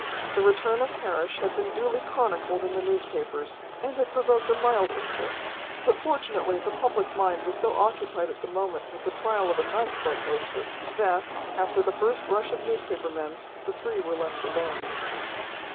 The return of Parrish had been duly chronicled in the newspapers, and had provoked a mild interest, but fortunately the public mind was so occupied at the moment with the trial of a night club hostess that, after the first rush of newspaper men, the three were left alone.